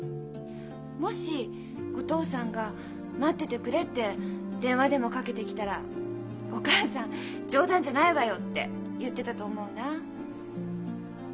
もしお父さんが「待っててくれ」って電話でもかけてきたらお母さん「冗談じゃないわよ」って言ってたと思うな。